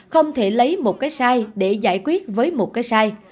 không thể lấy một cái sai để giải quyết với một cái sai